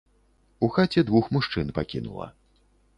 У хаце двух мужчын пакінула.